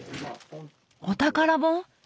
お宝本！